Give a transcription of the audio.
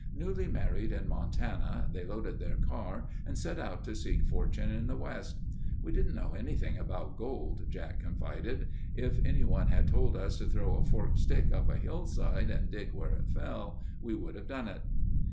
Newly married in Montana they loaded their car and set out to seek fortune in the West. "We didn't know anything about gold," Jack confided. "If anyone had told us to throw a forked stick up a hillside and dig where it fell, we would have done it."